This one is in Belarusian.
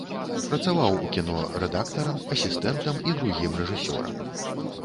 Працаваў у кіно рэдактарам, асістэнтам і другім рэжысёрам.